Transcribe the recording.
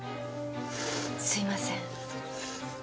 すいません。